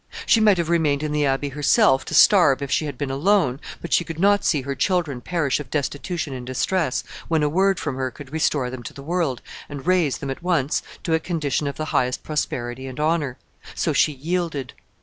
She might have remained in the Abbey herself to starve if she had been alone, but she could not see her children perish of destitution and distress when a word from her could restore them to the world, and raise them at once to a condition of the highest prosperity and honor. So she yielded.